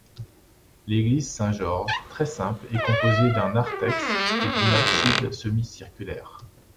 L'église Saint-Georges, très simple, est composée d'un narthex et d'une abside semi-circulaire.